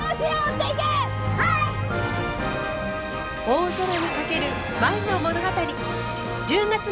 大空にかける舞の物語。